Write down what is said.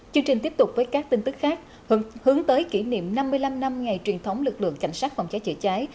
chương trình tiếp tục với các tin tức khác hướng tới kỷ niệm năm mươi năm năm ngày truyền thống lực lượng cảnh sát phòng cháy chữa cháy